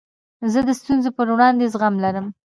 زه د ستونزو په وړاندي زغم لرم.